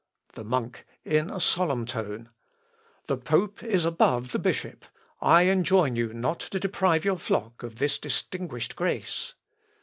The Monk (in a solemn tone). "The pope is above the bishop. I enjoin you not to deprive your flock of this distinguished grace."